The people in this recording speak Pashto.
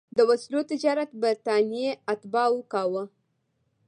د وسلو تجارت برټانیې اتباعو کاوه.